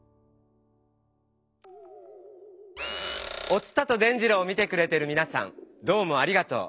「お伝と伝じろう」を見てくれてるみなさんどうもありがとう。